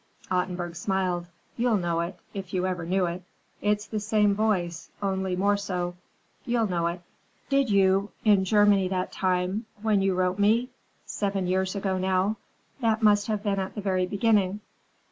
Ottenburg smiled. "You'll know it, if you ever knew it. It's the same voice, only more so. You'll know it." "Did you, in Germany that time, when you wrote me? Seven years ago, now. That must have been at the very beginning."